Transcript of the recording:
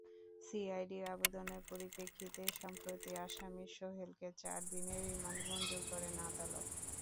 সিআইডির আবেদনের পরিপ্রেক্ষিতে সম্প্রতি আসামি সোহেলকে চার দিনের রিমান্ড মঞ্জুর করেন আদালত।